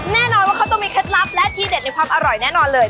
แน่นอนว่าเขาต้องมีเคล็ดลับและทีเด็ดในความอร่อยแน่นอนเลย